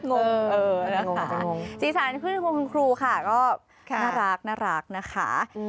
งงเออนะคะสีสันชื่นชมคุณครูค่ะก็น่ารักนะคะ